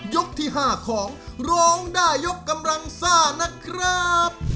ที่๕ของร้องได้ยกกำลังซ่านะครับ